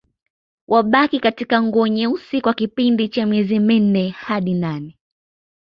Wabaki katika nguo nyeusi kwa kipindi cha miezi minne hadi nane